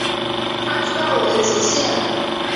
他知道我的极限